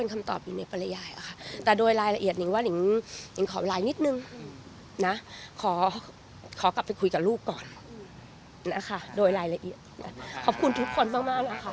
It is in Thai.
ขออีกคำถามหนึ่ง